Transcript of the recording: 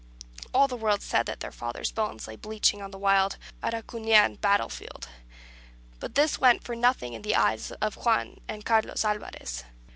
All the world said that their father's bones lay bleaching on a wild Araucanian battle field; but this went for nothing in the eyes of Juan and Carlos Alvarez.